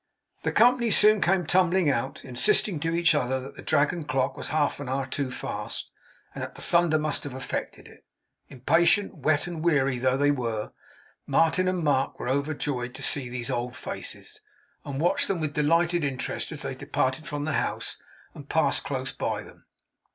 The company soon came tumbling out; insisting to each other that the Dragon clock was half an hour too fast, and that the thunder must have affected it. Impatient, wet, and weary though they were, Martin and Mark were overjoyed to see these old faces, and watched them with delighted interest as they departed from the house, and passed close by them.